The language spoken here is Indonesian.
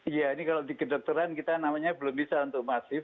iya ini kalau di kedokteran kita namanya belum bisa untuk masif